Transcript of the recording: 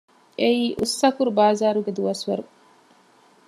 އެއީ އުއްސަކުރު ބާޒާރުގެ ދުވަސްވަރު